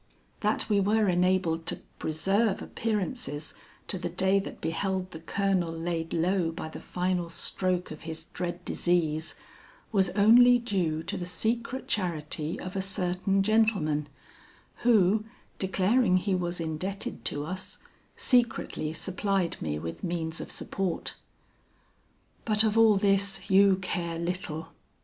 That we were enabled to preserve appearances to the day that beheld the Colonel laid low by the final stroke of his dread disease, was only due to the secret charity of a certain gentleman, who, declaring he was indebted to us, secretly supplied me with means of support. "But of all this you care little.